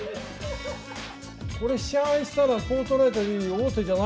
これ飛車合いしたら歩を取られたうえに王手じゃないからねえ。